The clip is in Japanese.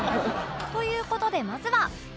という事でまずは